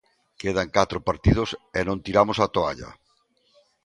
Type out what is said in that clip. Quedan catro partidos e non tiramos a toalla.